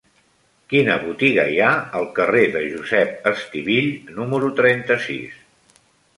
Quina botiga hi ha al carrer de Josep Estivill número trenta-sis?